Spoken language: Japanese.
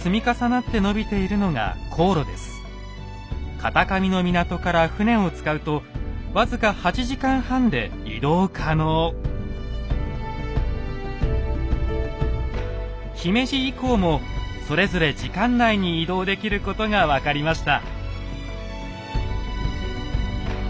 片上の港から船を使うと僅か姫路以降もそれぞれ時間内に移動できることが分かりました。